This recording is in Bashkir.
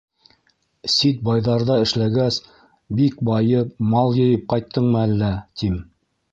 — Сит байҙарҙа эшләгәс, бик байып, мал йыйып ҡайттыңмы әллә, тим.